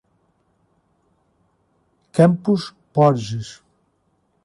Campos Borges